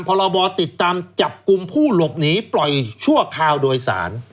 พรบติดตามจับกลุ่มผู้หลบหนีปล่อยชั่วคราวโดยสาร